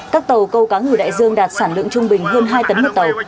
các tàu câu cá ngừ đại dương đạt sản lượng trung bình hơn hai tấn một tàu